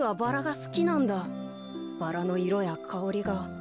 バラのいろやかおりが。